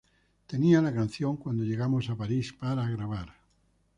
Tenía la canción cuando llegamos a París para grabar.